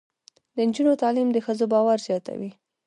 د نجونو تعلیم د ښځو باور زیاتوي.